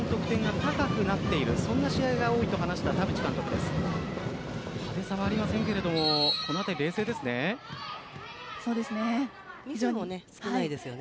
高さはありませんがこの辺り冷静ですね。